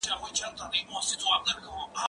شين آسمان هسي ځلېږي